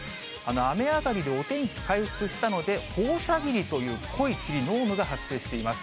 雨上がりでお天気回復したので、放射霧という濃い霧、濃霧が発生しています。